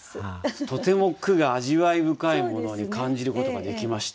とても句が味わい深いものに感じることができました。